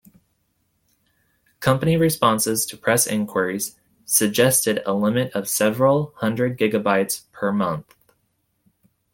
Company responses to press inquiries suggested a limit of several hundred gigabytes per month.